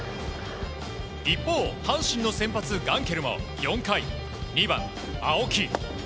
一方、阪神の先発ガンケルも４回、２番、青木。